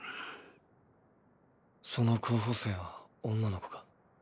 その候補生は女の子か？